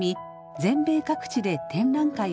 全米各地で展覧会を開催。